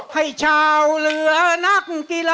ให้ชาวเรือนักกีฬา